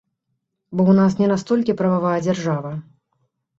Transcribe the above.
Бо ў нас не настолькі прававая дзяржава.